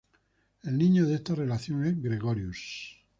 El niño de esta relación es Gregorius.